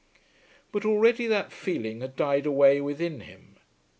But already that feeling had died away within him.